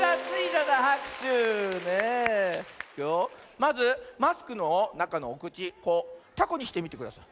まずマスクのなかのおくちたこにしてみてください。